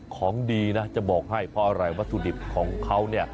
ของดีนะจะบอกให้เพราะอะไรวัสดิบของเขา